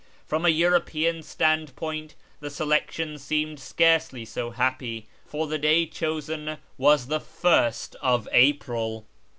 From a European standpoint the selection seemed carcely so happy, for the day chosen was the first of April.